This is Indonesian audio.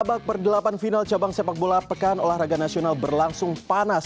sabak berdelapan final cabang sepak bola pekaan olahraga nasional berlangsung panas